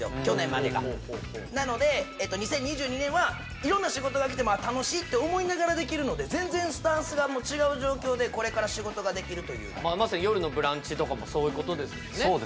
去年までがなので２０２２年はいろんな仕事が来て楽しいって思いながらできるので全然スタンスが違う状況でこれから仕事ができるというまさに「よるのブランチ」とかもそういうことですもんね